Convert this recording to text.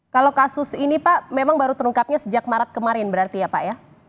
kalau kasus ini pak memang baru terungkapnya sejak maret kemarin berarti ya pak ya